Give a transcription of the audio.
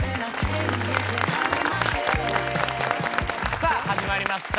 さあ始まりました